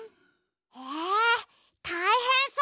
えたいへんそう！